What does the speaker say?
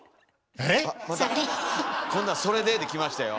今度は「それで？」できましたよ。